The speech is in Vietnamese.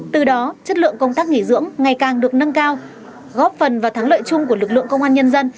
từ đó chất lượng công tác nghỉ dưỡng ngày càng được nâng cao góp phần và thắng lợi chung của lực lượng công an nhân dân